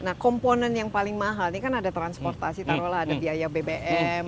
nah komponen yang paling mahal ini kan ada transportasi taruhlah ada biaya bbm